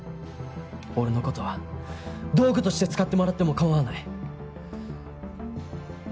俺の事は道具として使ってもらっても構わない。